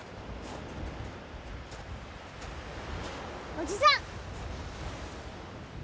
おじさん！